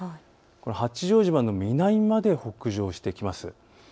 八丈島の南まで北上してきます。